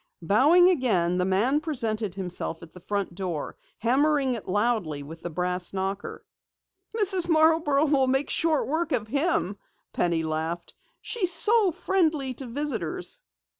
Bowing again, the man presented himself at the front door, hammering it loudly with the brass knocker. "Mrs. Marborough will make short work of him," Penny laughed. "She's so friendly to visitors!"